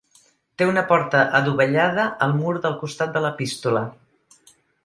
Té una porta adovellada al mur del costat de l'epístola.